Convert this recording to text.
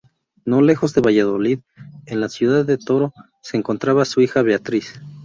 No lejos de Valladolid, en la ciudad de Toro se encontraba su hija Beatriz.